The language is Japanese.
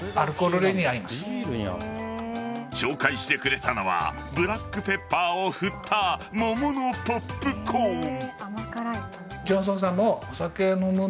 紹介してくれたのはブラックペッパーを振った桃のポップコーン。